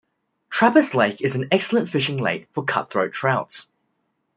Trappers Lake is an excellent fishing lake for cutthroat trout.